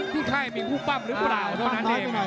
ที่ใครมีผู้ปั้มหรือเปล่า